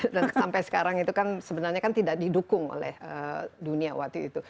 dan sampai sekarang itu kan sebenarnya kan tidak didukung oleh dunia waktu itu